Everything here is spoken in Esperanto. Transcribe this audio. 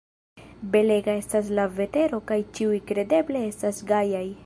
Belega estas la vetero kaj ĉiuj kredeble estas gajaj.